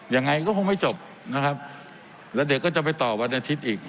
ยังไงก็คงไม่จบนะครับแล้วเดี๋ยวก็จะไปต่อวันอาทิตย์อีก